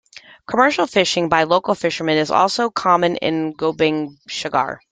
Commercial fishing by Local fisherman is also common in Gobind Sagar.